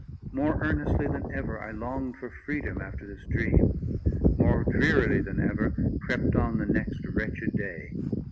More earnestly than ever, I longed for freedom after this dream; more drearily than ever, crept on the next wretched day.